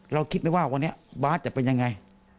คิดไหมว่าวันนี้บาทจะเป็นยังไง